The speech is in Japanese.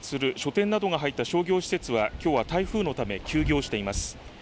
ＮＨＫに隣接する書店などの入った商業施設は、きょうは台風のため休業しています。